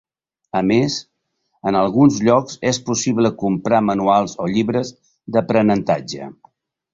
A més, en alguns llocs és possible comprar manuals o llibres d'aprenentatge.